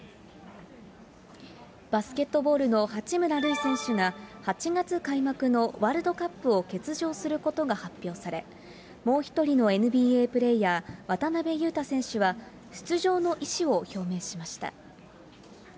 バスケットボールの八村塁選手が８月開幕のワールドカップを欠場することが発表され、もう１人のＮＢＡプレーヤー、渡邊雄太選手は、出場の意思を表明しました。